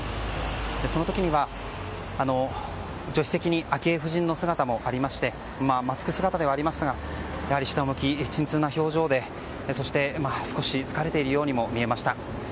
その時には、助手席に昭恵夫人の姿もありましてマスク姿ではありましたがやはり下向き沈痛な表情でそして少し疲れているようにも見えました。